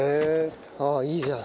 あっいいじゃん。